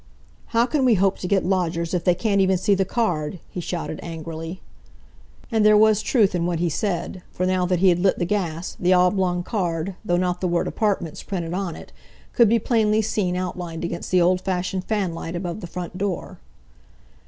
"How can we hope to get lodgers if they can't even see the card?" he shouted angrily. And there was truth in what he said, for now that he had lit the gas, the oblong card, though not the word "Apartments" printed on it, could be plainly seen out lined against the old fashioned fanlight above the front door.